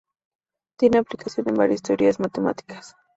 Tienen aplicación en varias teorías matemáticas.